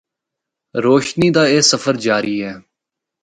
روشنی دا اے سفر جاری ہے۔